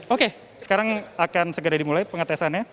oke sekarang akan segera dimulai pengetesannya